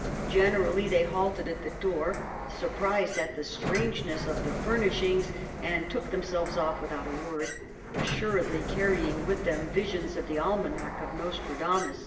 Gen erally they halted at the door, surprised at the strangeness of the furnishings, and took themselves off without a word, assuredly carrying with them visions of the almanac of Nostradamus.